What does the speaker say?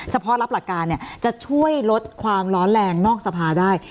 เฉพาะรับหลักการจะช่วยลดความร้อนแรงนอกสภาได้